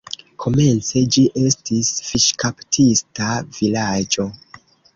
Komence ĝi estis fiŝkaptista vilaĝo.